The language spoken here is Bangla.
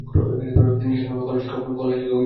তিনি সেখানে কলা-শিক্ষক হিসাবে নিযুক্ত হন।